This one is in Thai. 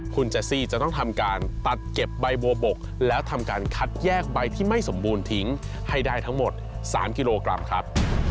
คุณเจซี่จะต้องทำการตัดเก็บใบบัวบกแล้วทำการคัดแยกใบที่ไม่สมบูรณ์ทิ้งให้ได้ทั้งหมด๓กิโลกรัมครับ